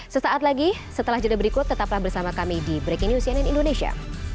sesaat lagi setelah jeda berikut tetaplah bersama kami di breaking news cnn indonesia